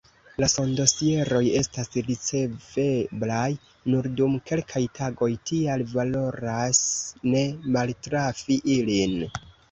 La sondosieroj estas riceveblaj nur dum kelkaj tagoj, tial valoras ne maltrafi ilin.